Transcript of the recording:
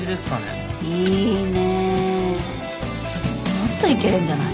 もっといけるんじゃない？